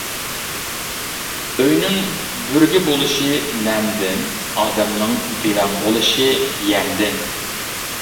ئۆينىڭ بۈرگە بولۇشى نەمدىن، ئادەمنىڭ دىۋەڭ بولۇشى يەمدىن.